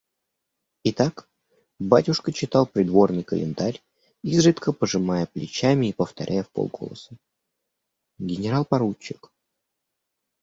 Итак, батюшка читал Придворный календарь, изредка пожимая плечами и повторяя вполголоса: «Генерал-поручик!..